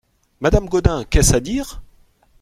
Madame Gaudin Qu'est-ce à dire ?